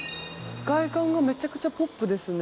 外観がめちゃくちゃポップですね。